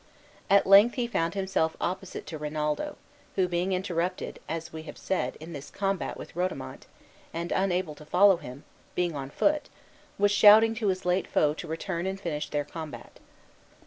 At length he found himself opposite to Rinaldo, who, being interrupted, as we have said, in his combat with Rodomont, and unable to follow him, being on foot, was shouting to his late foe to return and finish their combat.